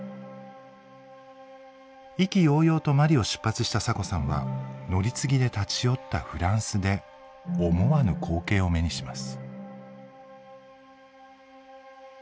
意気揚々とマリを出発したサコさんは乗り継ぎで立ち寄ったフランスで思わぬ光景を目にします。